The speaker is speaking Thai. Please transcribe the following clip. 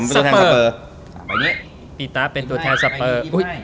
อะไรมึงยิ้มให้